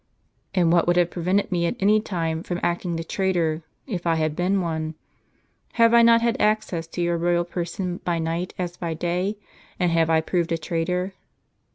" And what would have prevented me at any time from acting the traitor, if I had been one ? Have I not had access to your royal person by night as by day ; and have I proved a traitor